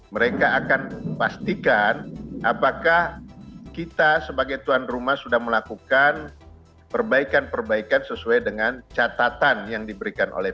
mereka akan pastikan apakah kita sebagai tuan rumah sudah melakukan perbaikan perbaikan sesuai dengan catatan yang diberikan oleh